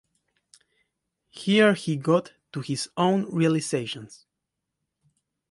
Here he got to his own realizations.